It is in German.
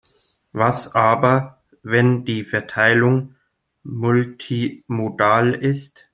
Was aber, wenn die Verteilung multimodal ist?